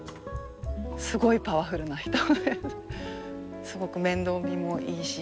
すごいパワフルな人ですごく面倒見もいいし。